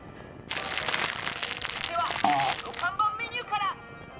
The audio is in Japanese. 続いては、この看板メニューから。